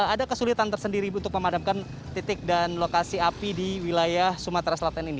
ada kesulitan tersendiri ibu untuk memadamkan titik dan lokasi api di wilayah sumatera selatan ini